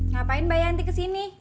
ngapain mbak yanti kesini